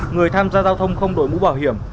người tham gia giao thông không đội mũ bảo hiểm